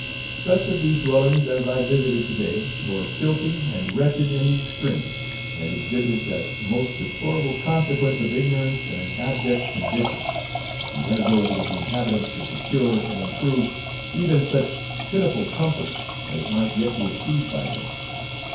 Such of these dwellings as I visited to day were filthy and wretched in the extreme, and exhibited that most deplorable consequence of ignorance and an abject condition, the inability of the inhabitants to secure and improve even such pitiful comfort as might yet be achieved by them.